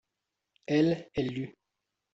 elle, elle lut.